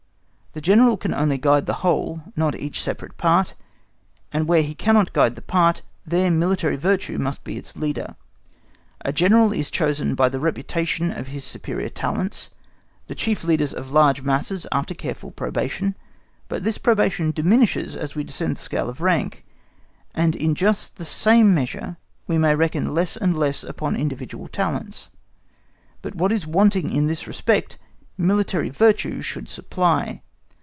The General can only guide the whole, not each separate part, and where he cannot guide the part, there military virtue must be its leader. A General is chosen by the reputation of his superior talents, the chief leaders of large masses after careful probation; but this probation diminishes as we descend the scale of rank, and in just the same measure we may reckon less and less upon individual talents; but what is wanting in this respect military virtue should supply.